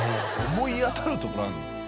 思い当たるところあるの？